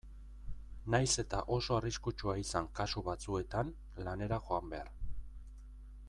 Nahiz eta oso arriskutsua izan kasu batzuetan lanera joan behar.